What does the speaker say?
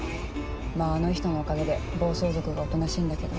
まぁあの人のおかげで暴走族がおとなしいんだけど。